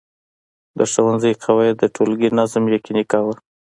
د ښوونځي قواعد د ټولګي نظم یقیني کاوه.